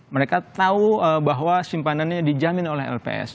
mereka tahu bahwa simpanannya dijamin oleh lps